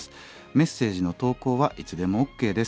メッセージの投稿はいつでもＯＫです。